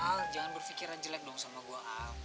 al jangan berpikiran jelek dong sama gue